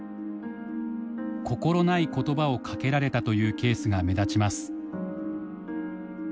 心ない言葉をかけられたというケースが目立ちます。